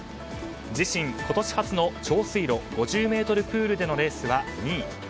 自身今年はずの長水路５０ｍプールでのレースは２位。